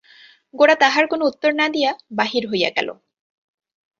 গোরা তাহার কোনো উত্তর না দিয়া বাহির হইয়া গেল।